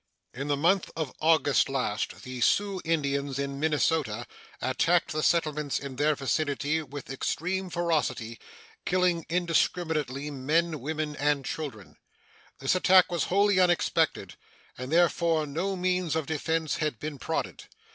In the month of August last the Sioux Indians in Minnesota attacked the settlements in their vicinity with extreme ferocity, killing indiscriminately men, women, and children. This attack was wholly unexpected, and therefore no means of defense had been prodded.